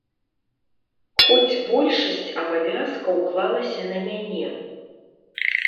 Хоць большасць абавязкаў клалася на мяне.